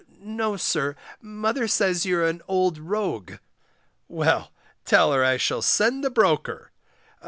No, sir, mother says you're an old rogue. Well, tell her I shall send the broker.